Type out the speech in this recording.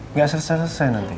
nggak selesai selesai nanti